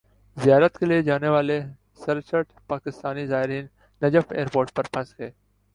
زیارت کیلئے جانے والے سرسٹھ پاکستانی زائرین نجف ایئرپورٹ پر پھنس گئے